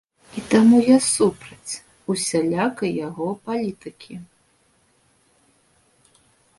І таму я супраць усялякай яго палітыкі!